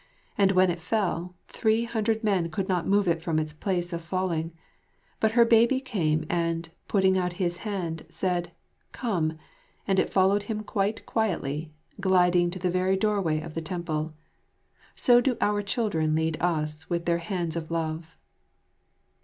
And when it fell, three hundred men could not move it from its place of falling; but her baby came and, putting out his hand, said, "Come," and it followed him quite quietly, gliding to the very doorway of the temple. So do our children lead us with their hands of love.